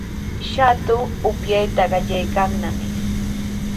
Shatu upyayta qallaykannami.